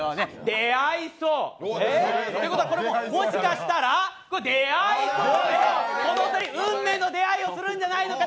出会いそう、ってことはもしかしたら出会いそう、出会いそうこの２人運命の出会いするんじゃないか！